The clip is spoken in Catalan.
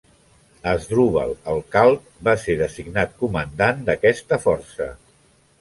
Àsdrubal el Calb va ser designat comandant d'aquesta força.